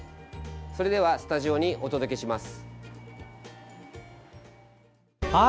それではスタジオにお届けします。